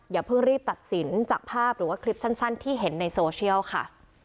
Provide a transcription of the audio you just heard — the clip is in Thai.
อย่าเพิ่งรีบตัดสินจากภาพหรือว่าคลิปสั้นที่เห็นในโซเชียลค่ะ